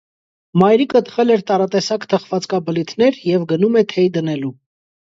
Մայրիկը թխել էր տարատեսակ թխվածքաբլիթներ և գնում է թեյ դնելու։